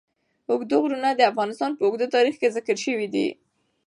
اوږده غرونه د افغانستان په اوږده تاریخ کې ذکر شوی دی.